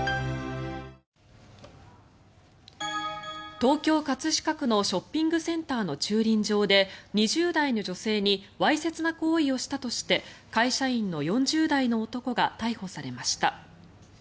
東京・葛飾区のショッピングセンターの駐輪場で２０代の女性にわいせつな行為をしたとして会社員の４０代の男が逮捕されました。